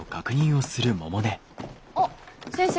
あっ先生。